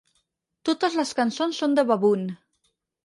Totes les cançons són de Baboon.